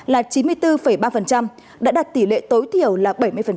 là chín mươi bốn ba đã đạt tỷ lệ tối thiểu là bảy mươi